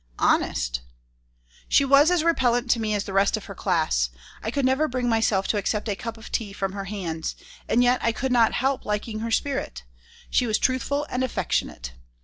"Honest." She was as repellent to me as the rest of her class. I could never bring myself to accept a cup of tea from her hands. And yet I could not help liking her spirit. She was truthful and affectionate.